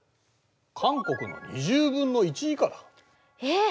韓国の２０分の１以下だ。えっ！